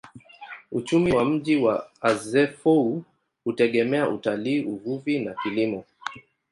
Uchumi wa mji wa Azeffou hutegemea utalii, uvuvi na kilimo.